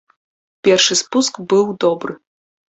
Першы спуск быў добры.